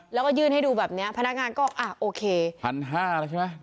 แล้วก็ยื่นให้ดูแบบเนี้ยพนักงานก็อ่ะโอเค๑๕๐๐แล้วใช่ไหม